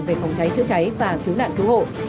về phòng cháy chữa cháy và cứu nạn cứu hộ